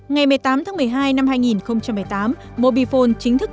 ngày một mươi tám tháng một mươi hai năm hai nghìn một mươi tám mobifone chính thức